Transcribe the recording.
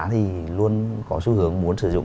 thì luôn có xu hướng muốn sử dụng